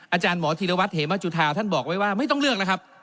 อาจารย์หมอธีรวัตรเหมจุธาท่านบอกไว้ว่าไม่ต้องเลือกนะครับ